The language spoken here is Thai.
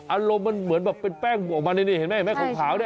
อารมณ์มันเหมือนแบบเป็นแป้งออกมานี่เห็นไหมขาวเนี่ย